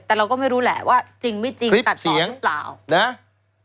แต่เราก็ไม่รู้แหละว่าจริงไม่จริงตัดสินหรือเปล่านะ